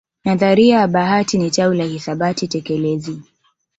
Nadharia ya bahati ni tawi la hisabati tekelezi